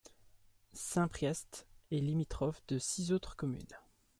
Saint-Priest est limitrophe de six autres communes.